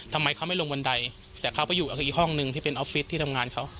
ทำไมเขาไม่ลงบันไดแต่เขาไปอยู่อีกห้องนึงที่เป็นออฟฟิศที่ทำงานเขา